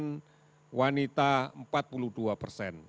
dan wanita empat puluh dua persen